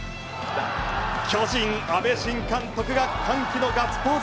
巨人、阿部新監督が歓喜のガッツポーズ。